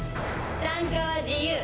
参加は自由。